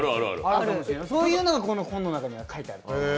そういうのが、この本の中に書いてあります。